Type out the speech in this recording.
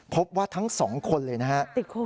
พบว่าทั้ง๒คนเลยนะฮะ